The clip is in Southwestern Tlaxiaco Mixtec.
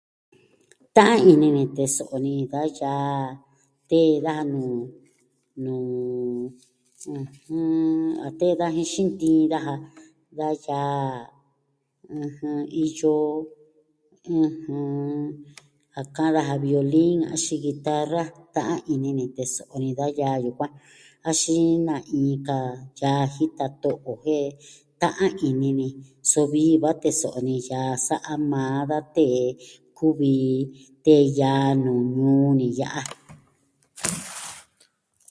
Ta'an ini ni teso'o ni da yaa a tee daja nuu, ɨjɨn... tee daja jin xintiin daja. Da yaa iyo a ka'an daja violin axin guitarra. Ta'an ini ni teso'o ni yaa yukuan axin na inka yaa jita to'o jen ta'an ini ni. So vii va teso'o ni yaa sa'a maa da tee kuvi tee yaa nuu ñuu ni ya'a.